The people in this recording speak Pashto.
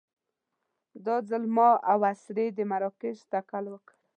دا ځل ما او اسرې د مراکش تکل وکړ.